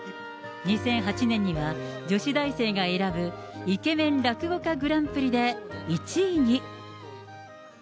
２００８年には、女子大生が選ぶイケメンらくご家グランプリで１位に。